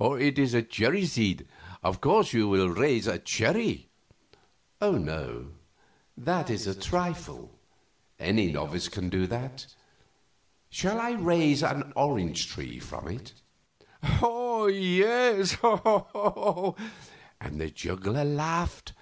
"It is a cherry seed; of course you will raise a cherry." "Oh no; that is a trifle; any novice can do that. Shall I raise an orange tree from it?" "Oh yes!" and the juggler laughed.